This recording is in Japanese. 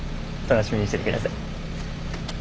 楽しみにしてて下さい。